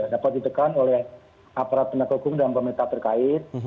dapat ditekan oleh aparat penegak hukum dan pemerintah terkait